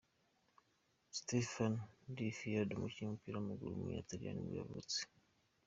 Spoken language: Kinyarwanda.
Stefano Di Fiordo, umukinnyi w’umupira w’amaguru w’umutaliyani nibwo yavutse.